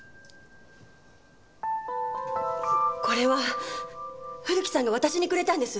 これは古木さんが私にくれたんです。